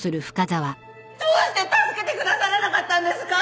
どうして助けてくださらなかったんですか！？